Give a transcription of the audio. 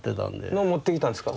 のを持ってきたんですか。